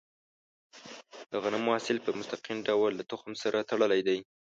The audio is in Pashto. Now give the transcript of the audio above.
د غنمو حاصل په مستقیم ډول له تخم سره تړلی دی.